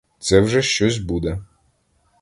Це вже щось буде.